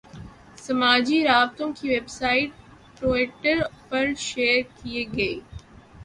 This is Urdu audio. سماجی رابطوں کی ویب سائٹ ٹوئٹر پر شیئر کیے گئے